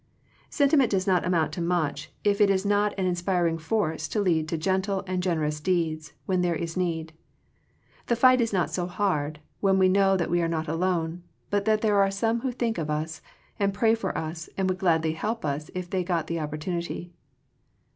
Sentiment does not amount to much, if 78 Digitized by VjOOQIC THE FRUITS OF FRIENDSHIP it is not an inspiring force to lead to gen tle and to generous deeds, when there is need. The fight is not so hard, when we know that we are not alone, but that there are some who think of us, and pray for us, and would gladly help us if they got the opportunity.